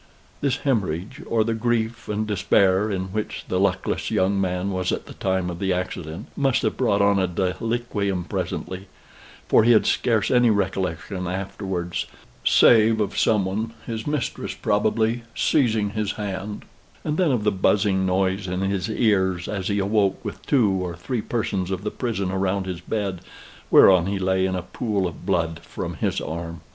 This hemorrhage, or the grief and despair in which the luckless young man was at the time of the accident, must have brought on a deliquium presently; for he had scarce any recollection afterwards, save of some one, his mistress probably, seizing his hand and then of the buzzing noise in his ears as he awoke, with two or three persons of the prison around his bed, whereon he lay in a pool of blood from his arm.